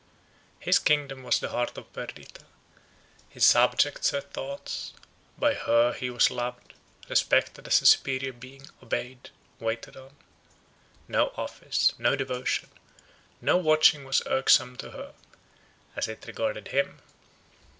His kingdom was the heart of Perdita, his subjects her thoughts; by her he was loved, respected as a superior being, obeyed, waited on. No office, no devotion, no watching was irksome to her, as it regarded him.